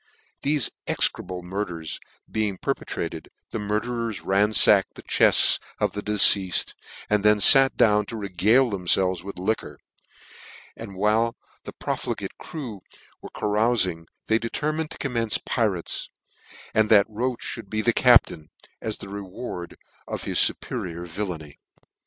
Thefe execrable murderers being perpetrated, the murderers ranfacked the chefts of the de ceafed, and then fat down to regale themfelves with liquor ; and while the profligate crew were earoufmg, they determined to commence pirates, and that Roche mould be the captain, as the reward of his fuperior villainy.